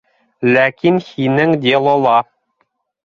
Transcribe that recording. Ләкин һинең «Дело»ла...